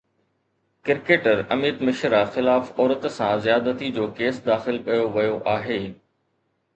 cricketer Amit Mishra خلاف عورت سان زيادتي جو ڪيس داخل ڪيو ويو آهي